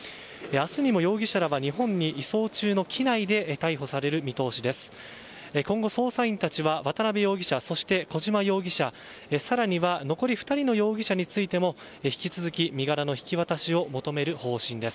明日にも容疑者らは日本に移送中の機内で逮捕される見通しです。